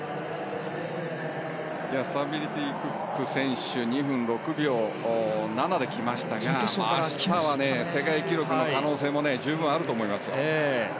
スタブルティ・クック選手２分６秒７で来ましたが明日は世界記録の可能性も十分あると思いますよ。